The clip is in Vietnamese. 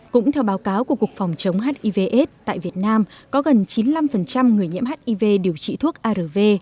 cũng theo báo cáo của cục phòng chống hiv aids tại việt nam có gần chín mươi năm người nhiễm hiv điều trị thuốc arv